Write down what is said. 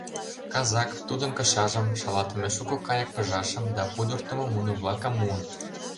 Казак тудын кышажым, шалатыме шуко кайык пыжашым да пудыртымо муно-влакым муын.